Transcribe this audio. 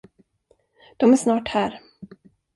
De är snart här.